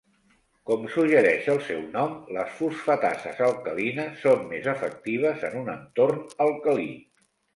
Com suggereix el seu nom, les fosfatases alcalines són més efectives en un entorn alcalí.